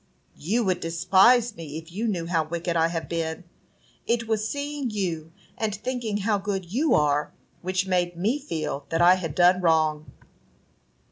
"You would despise me if you knew how wicked I have been. It was seeing you, and thinking how good you are, which made me feel that I had done wrong."